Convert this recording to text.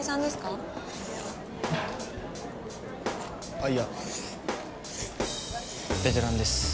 あっいやベテランです。